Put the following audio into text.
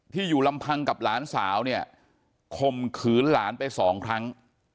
อยู่ลำพังกับหลานสาวเนี่ยข่มขืนหลานไปสองครั้ง